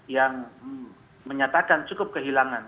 yang menyatakan cukup kehilangan